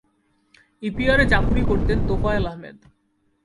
ইপিআরে চাকুরি করতেন তোফায়েল আহমেদ।